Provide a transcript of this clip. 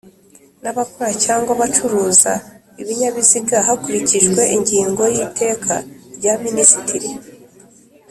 N abakora cyangwa abacuruza ibinyabiziga hakurikijwe ingingo y iteka rya ministri